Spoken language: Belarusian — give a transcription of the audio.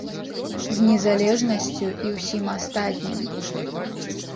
З незалежнасцю і ўсім астатнім.